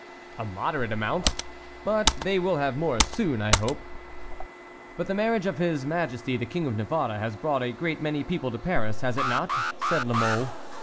"A moderate amount, but they will have more soon, I hope." "But the marriage of his majesty the King of Navarre has brought a great many people to Paris, has it not?" said La Mole.